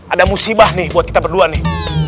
ada musibah nih buat kita berdua nih